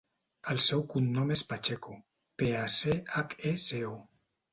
El seu cognom és Pacheco: pe, a, ce, hac, e, ce, o.